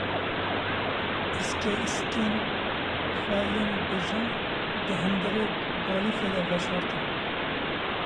Îskeîskên xwe yên bi jan, di hundirê balîfê de veşartin.